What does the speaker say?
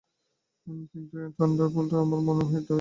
কিন্তু ওই থান্ডারবোল্ট, আমার মনে হয় ওটা কাজের।